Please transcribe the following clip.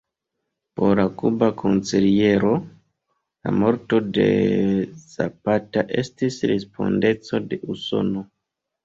Por la kuba kanceliero, la morto de Zapata estis respondeco de Usono.